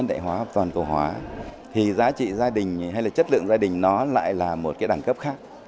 đại hóa toàn cầu hóa thì giá trị gia đình hay là chất lượng gia đình nó lại là một cái đẳng cấp khác